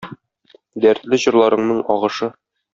Дәртле җырларыңның агышы.